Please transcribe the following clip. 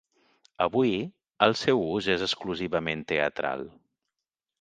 Avui, el seu ús és exclusivament teatral.